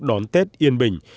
đón tết yên bình